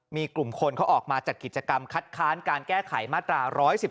มีกลุ่มคนเขาออกมาจัดกิจกรรมคัดค้านการแก้ไขมาตรา๑๑๒